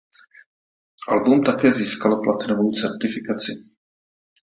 Album také získalo platinovou certifikaci.